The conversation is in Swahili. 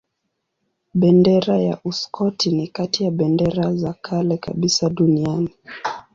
Bendera ya Uskoti ni kati ya bendera za kale kabisa duniani.